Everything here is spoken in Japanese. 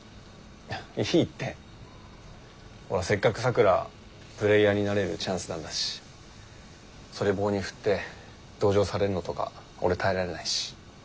ほらせっかく咲良プレーヤーになれるチャンスなんだしそれ棒に振って同情されるのとか俺耐えられないし。